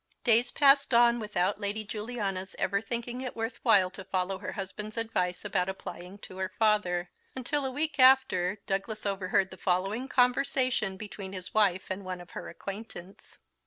Days passed on without Lady Juliana's ever thinking it worth while to follow her husband's advice about applying to her father; until a week after, Douglas overheard the following conversation between his wife and one of her acquaintance.